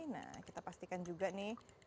nah kita pastikan juga nih